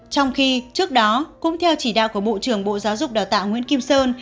trong khi trước đó cũng theo chỉ đạo của bộ trưởng bộ giáo dục đào tạo nguyễn kim sơn